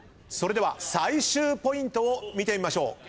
それでは最終ポイントを見てみましょう。